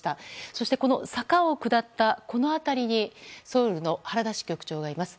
そして坂を下ったこの辺りにソウルの原田支局長がいます。